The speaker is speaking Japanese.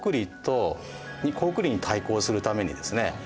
高句麗に対抗するためにですね